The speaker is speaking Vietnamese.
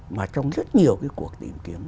mà trong rất nhiều cái cuộc tìm kiếm